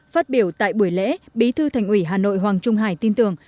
phát biểu tại buổi lễ bí thư thành ủy hà nội hoàng trung hải tin tưởng